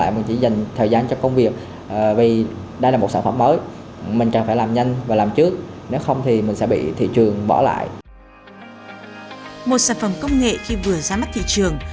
một sản phẩm công nghệ khi vừa ra mắt thị trường